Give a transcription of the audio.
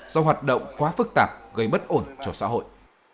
do hoạt động quá phức tạp gây bất ổn cho xã hội